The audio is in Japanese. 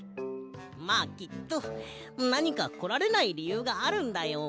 まあきっとなにかこられないりゆうがあるんだよ。